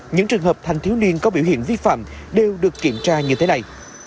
những trường hợp thanh thiếu niên có biểu hiện vi phạm đều được kiểm tra như thế này